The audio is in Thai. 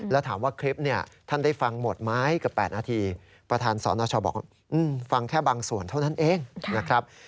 แล้วถามว่าคลิปเนี่ยท่านได้ฟังหมดไหมเกือบ๘นาทีประธานสนชบอกฟังแค่บางส่วนเท่านั้นเองนะครับ